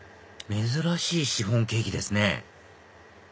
珍しいシフォンケーキですね